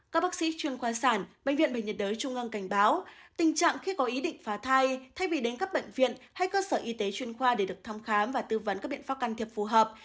các bác sĩ chuyên khoa sản bệnh viện bệnh nhiệt đới trung ương cảnh báo tình trạng khi có ý định phá thai thay vì đến các bệnh viện hay cơ sở y tế chuyên khoa để được thăm khám và tư vấn các biện pháp can thiệp phù hợp